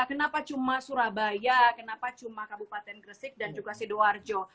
kenapa cuma surabaya kenapa cuma kabupaten gresik dan juga sidoarjo